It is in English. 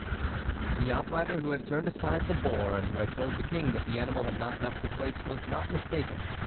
The outrider who had turned aside the boar and who had told the King that the animal had not left the place was not mistaken.